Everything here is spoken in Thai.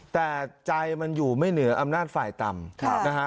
แต่ใจมันอยู่ไม่เหนืออำนาจฝ่ายต่ำนะฮะ